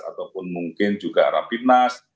ataupun mungkin juga rapidnas